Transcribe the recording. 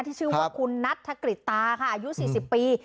ชื่อว่าคุณนัทธกริจตาค่ะอายุ๔๐ปี